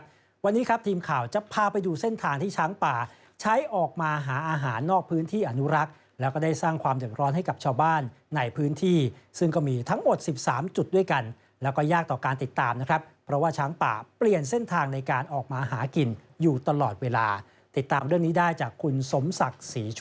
วันนี้ครับทีมข่าวจะพาไปดูเส้นทางที่ช้างป่าใช้ออกมาหาอาหารนอกพื้นที่อนุรักษ์แล้วก็ได้สร้างความเดือดร้อนให้กับชาวบ้านในพื้นที่ซึ่งก็มีทั้งหมด๑๓จุดด้วยกันแล้วก็ยากต่อการติดตามนะครับเพราะว่าช้างป่าเปลี่ยนเส้นทางในการออกมาหากินอยู่ตลอดเวลาติดตามเรื่องนี้ได้จากคุณสมศักดิ์ศรีช